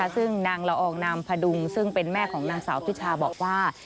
ซึ่งนางละอองนามพดุงซึ่งเป็นแม่ของนางสาวพิชาบอกว่า